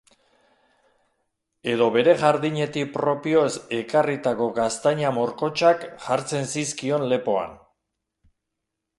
Edo bere jardinetik propio ekarritako gaztaina morkotsak jartzen zizkion lepoan.